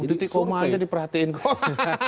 untuk tku maja diperhatiin kok